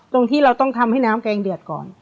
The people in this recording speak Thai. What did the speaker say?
ตรงที่เราต้องทำให้น้ำแกงเดือดก่อน